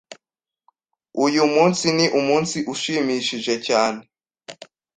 Uyu munsi ni umunsi ushimishije cyane.